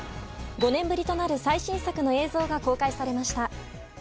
５年ぶりとなる最新作の映像が公開されました。